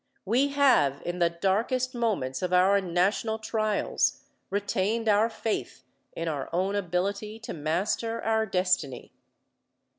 We have in the darkest moments of our national trials retained our faith in our own ability to master our destiny.